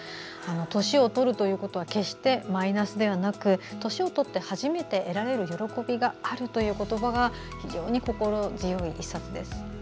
年をとるということは決してマイナスではなく年をとって初めて得られる喜びがあるという言葉が非常に心強い１冊です。